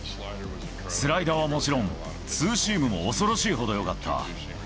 スライダーはもちろん、ツーシームも恐ろしいほどよかった。